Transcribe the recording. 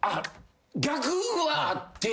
逆はあって。